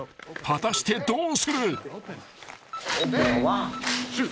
［果たしてどうする］